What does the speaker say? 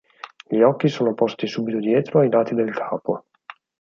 Gli occhi sono posti subito dietro, ai lati del capo.